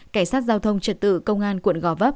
cảnh sát giao thông trật tự công an quận gò vấp